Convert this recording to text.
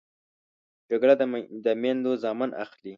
جګړه د میندو زامن اخلي